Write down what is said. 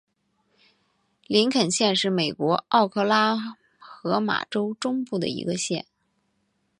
林肯县是美国奥克拉荷马州中部的一个县。